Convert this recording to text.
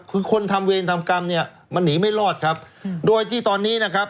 คือคนทำเวรทำกรรมเนี่ยมันหนีไม่รอดครับโดยที่ตอนนี้นะครับ